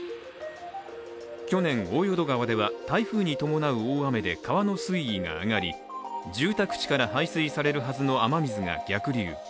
去年大淀川では台風に伴う大雨で川の水位が上がり、住宅地から排水されるはずの雨水が逆流。